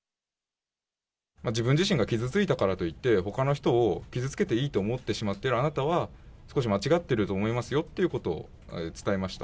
自分自身が傷ついたからといって、ほかの人を傷つけていいと思ってしまっているあなたは、少し間違っていると思いますよということを伝えました。